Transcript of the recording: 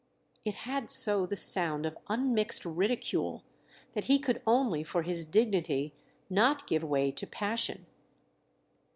It had so the sound of unmixed ridicule that he could only, for his dignity, not give way to passion.